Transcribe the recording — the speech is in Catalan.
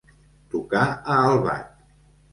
Tocar a albat.